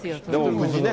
無事ね。